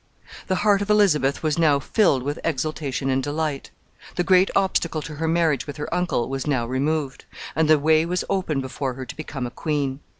The heart of Elizabeth was now filled with exultation and delight. The great obstacle to her marriage with her uncle was now removed, and the way was open before her to become a queen.